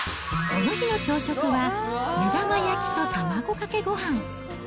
この日の朝食は、目玉焼きと卵かけごはん。